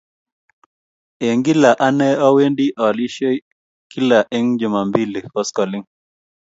Eng kila ane awendi alisiet kila eng jumambili koskoling